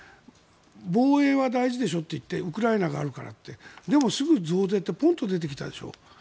防衛は大事でしょうといってウクライナがあるからといってでもすぐに増税ってポンと出てきたでしょ。